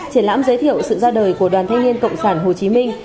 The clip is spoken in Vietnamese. triển lãm giới thiệu sự ra đời của đoàn thanh niên cộng sản hồ chí minh